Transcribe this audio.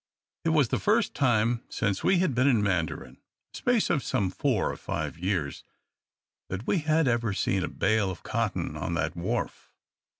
It was the first time since we had been in Mandarin a space of some four or five years that we had ever seen a bale of cotton on that wharf.